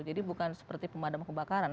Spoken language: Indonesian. jadi bukan seperti pemadam kebakaran